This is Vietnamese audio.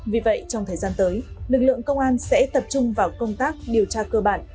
vì vậy trong thời gian tới lực lượng công an sẽ tập trung vào công tác điều tra cơ bản